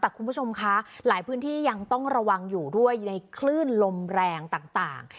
แต่คุณผู้ชมคะหลายพื้นที่ยังต้องระวังอยู่ด้วยในคลื่นลมแรงต่าง